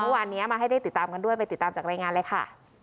เมื่อวานนี้มาให้ได้ติดตามกันด้วยไปติดตามจากรายงานเลยค่ะ